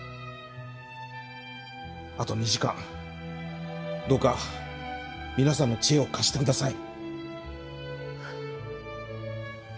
あと２時間どうか皆さんの知恵を貸してください。